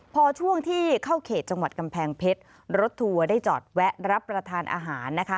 พอช่วงที่เข้าเขตจังหวัดกำแพงเพชรรถทัวร์ได้จอดแวะรับประทานอาหารนะคะ